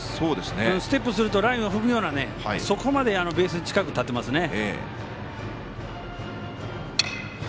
ステップするとラインを踏むような、そこまでベースに近く立っていますね。